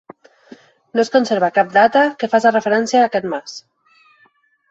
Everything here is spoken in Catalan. No es conserva cap data que faci referència a aquest mas.